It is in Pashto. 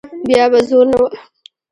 بیا به زور نه وهم.